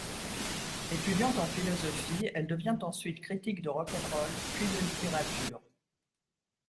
Étudiante en philosophie, elle devient ensuite critique de rock 'n' roll, puis de littérature.